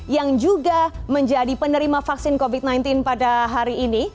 yang juga menjadi penerima vaksin covid sembilan belas pada hari ini